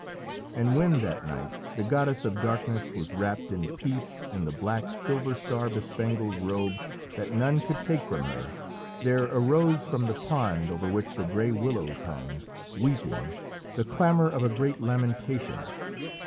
And when, that night, the goddess of darkness was wrapped in peace in the black, silver star bespangled robe that none could take from her, there arose from the pond over which the grey willows hung, weeping, the clamour of a great lamentation.